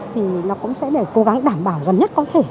thì nó cũng sẽ để cố gắng đảm bảo gần nhất có thể